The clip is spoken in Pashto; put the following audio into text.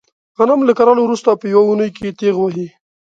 غنم له کرلو ورسته په یوه اونۍ کې تېغ وهي.